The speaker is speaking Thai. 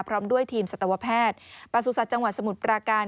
พร้อมด้วยทีมสัตวแพทย์ประสุทธิ์จังหวัดสมุทรปราการ